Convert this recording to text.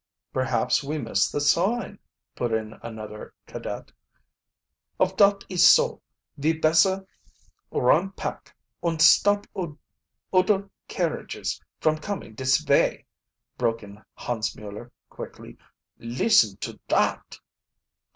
"Perhaps we missed the sign," put in another cadet. "Of dot is so, ve besser run pack und stop udder carriages from comin' dis vay," broke in Hans Mueller quickly. "Listen to dot!"